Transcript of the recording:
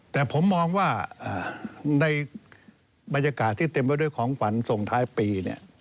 แต่ผมมองว่าในบรรยากาศที่เต็มไปด้วยของขวัญส่งท้ายปี